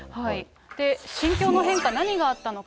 心境の変化、何があったのか。